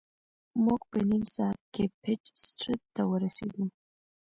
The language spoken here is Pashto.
موږ په نیم ساعت کې پیټ سټریټ ته ورسیدو.